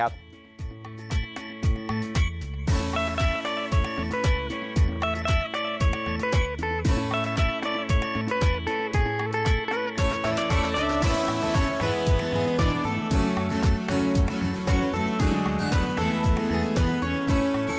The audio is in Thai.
โอเคครับโอเคครับ